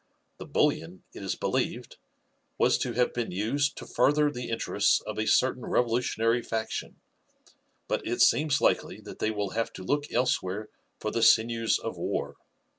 The bullion, it is believed, was to have been used to further the interests of a certain revolutionary faction, but it seems likely that they will have to look elsewhere for the sinews of war.